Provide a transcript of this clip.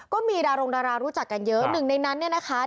ก็มีดารงดารารู้จักกันเยอะหนึ่งในนั้นเนี่ยนะคะ